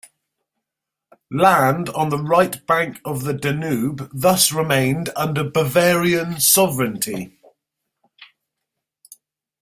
Land on the right bank of the Danube thus remained under Bavarian sovereignty.